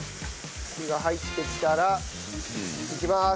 火が入ってきたらいきます！